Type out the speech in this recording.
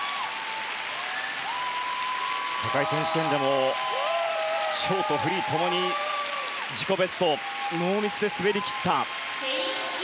世界選手権でもショート、フリー共に自己ベストノーミスで滑り切った。